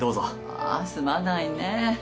ああすまないね。